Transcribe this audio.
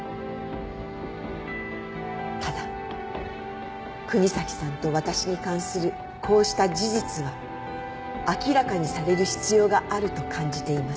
「ただ國東さんと私に関するこうした事実は明らかにされる必要があると感じています」